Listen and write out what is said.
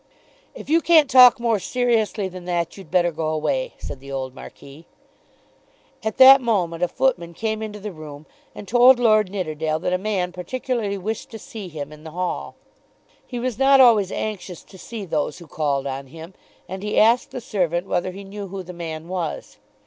"If you can't talk more seriously than that you'd better go away," said the old Marquis. At that moment a footman came into the room and told Lord Nidderdale that a man particularly wished to see him in the hall. He was not always anxious to see those who called on him, and he asked the servant whether he knew who the man was.